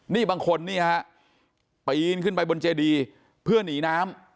นี่บางคนนี่ฮะปีนขึ้นไปบนเจดีเพื่อหนีน้ำ